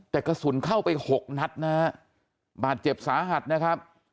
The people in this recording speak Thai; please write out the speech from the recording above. แต่กระสุนเข้าไปหกนัดนะฮะบาดเจ็บสาหัสนะครับ